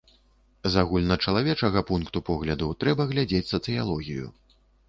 З агульначалавечага пункту погляду, трэба глядзець сацыялогію.